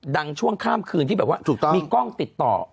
ช่วงข้ามคืนที่แบบว่ามีกล้องติดต่อ